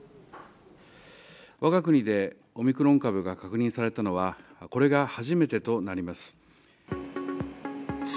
わが国でオミクロン株が確認されたのは、これが初めてとなります。